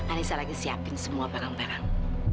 anissa lagi siapin semua barang barang